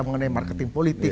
mengenai marketing politik